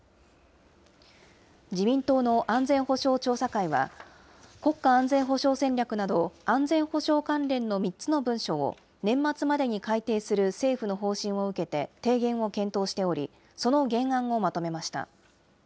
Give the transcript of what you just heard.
自民党の安全保障調査会は、国家安全保障戦略など安全保障関連の３つの文書を、年末までに改定する政府の方針を受けて提言を検討しており、その原案をまとめました。